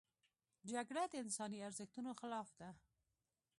جګړه د انساني ارزښتونو خلاف ده